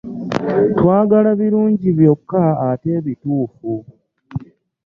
Twagala birungi byokka ate ebituufu.